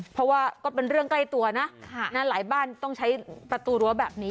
เพราะว่าก็เป็นเรื่องใกล้ตัวนะหลายบ้านต้องใช้ประตูรั้วแบบนี้